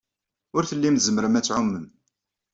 Ur tellim tzemrem ad tɛumem.